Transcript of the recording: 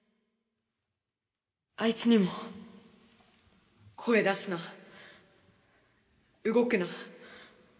あいつにも「声出すな」「動くな」